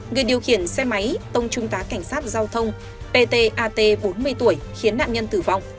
người điều khiển xe máy tông trung tá cảnh sát giao thông ptat bốn mươi tuổi khiến nạn nhân tử vong